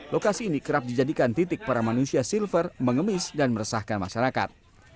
lokasi ini kerap dijadikan titik para manusia silver mengemis dan meresahkan masyarakat